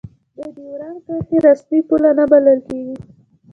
د دیورند کرښه رسمي پوله نه بلله کېږي.